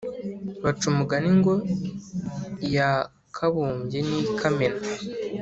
Baca umugani ngo iya kabumbye niyo ikamena